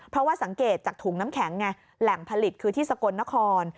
เพราะว่าสังเกตจากถุงน้ำแข็งไงแหล่งผลิตคือที่สกลนคร